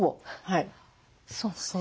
そうなんですね。